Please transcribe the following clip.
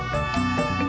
gak ada de